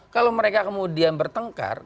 kalau mereka kemudian bertengkar